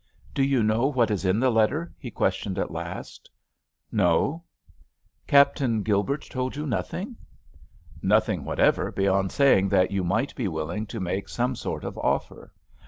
"Do you know what is in this letter?" he questioned at last. "No." "Captain Gilbert told you nothing?" "Nothing whatever, beyond saying that you might be willing to make some sort of offer."